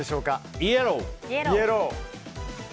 イエロー！